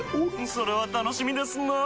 それは楽しみですなぁ。